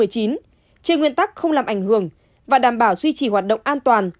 trên nguyên tắc không làm ảnh hưởng và đảm bảo duy trì hoạt động an toàn